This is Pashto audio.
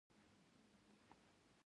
زه د خبرو کولو څخه مخکي فکر کوم.